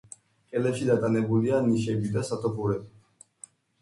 კედლებში დატანებულია ნიშები და სათოფურები.